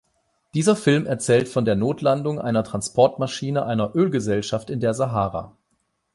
Dieser Film erzählt von der Notlandung einer Transportmaschine einer Ölgesellschaft in der Sahara.